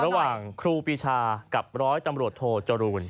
ระหว่างครูปีชากับร้อยตำรวจโทจรูล